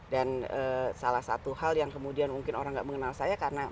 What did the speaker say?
dan salah satu hal yang kemudian mungkin orang enggak mengenal saya karena